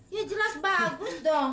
ya jelas bagus dong